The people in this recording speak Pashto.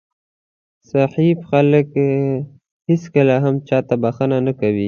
ضعیف خلک هېڅکله هم چاته بښنه نه کوي.